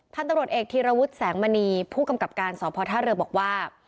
ท่านตรวจเอกธีรวรรษแสงมณีผู้กำกับการสอบพอร์ท่าเรือบอกว่า